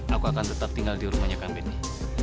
aku akan tetap tinggal di rumahnya kang benny